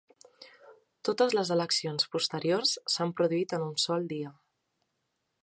Totes les eleccions posteriors s'han produït en un sol dia.